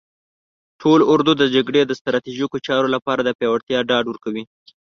قول اردو د جګړې د ستراتیژیکو چارو لپاره د پیاوړتیا ډاډ ورکوي.